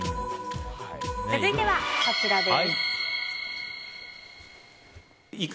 続いては、こちらです。